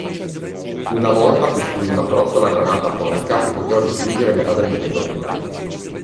Una volta costruì una "trottola granata atomica" che poteva distruggere metà del mondo.